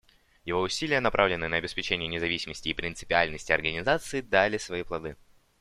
Его усилия, направленные на обеспечение независимости и принципиальности Организации, дали свои плоды.